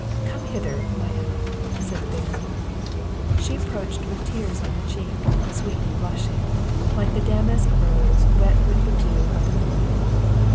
"Come hither, my Emma!" said the Baron. She approached with tears on her check, sweetly blushing, like the damask rose wet with the dew of the morning.